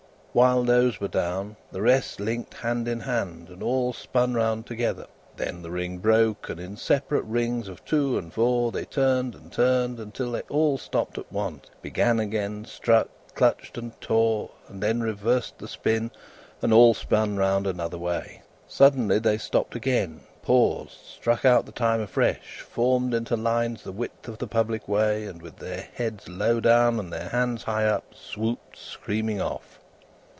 While those were down, the rest linked hand in hand, and all spun round together: then the ring broke, and in separate rings of two and four they turned and turned until they all stopped at once, began again, struck, clutched, and tore, and then reversed the spin, and all spun round another way. Suddenly they stopped again, paused, struck out the time afresh, formed into lines the width of the public way, and, with their heads low down and their hands high up, swooped screaming off.